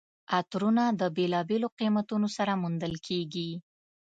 عطرونه د بېلابېلو قیمتونو سره موندل کیږي.